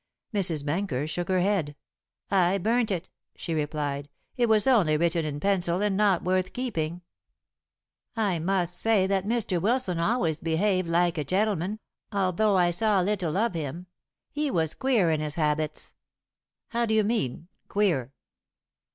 Mrs. Benker shook her head. "I burnt it," she replied; "it was only written in pencil and not worth keeping. I must say that Mr. Wilson always behaved like a gentleman, although I saw little of him. He was queer in his habits." "How do you mean 'queer'?"